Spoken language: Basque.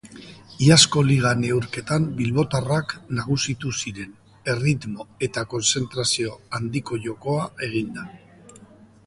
Iazko liga neurketan bilbotarrak nagusitu ziren, erritmo eta kontzentrazio handiko jokoa eginda.